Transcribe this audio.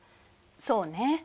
そうね。